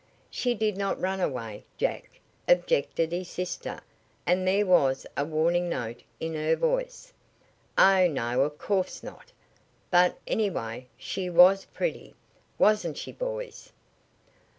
"She did not run away, Jack," objected his sister, and there was a warning note in her voice. "Oh, no, of course not. But, anyway, she vas pretty. Wasn't she, boys?"